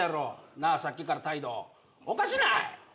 なあさっきから態度おかしない！？